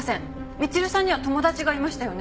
みちるさんには友達がいましたよね？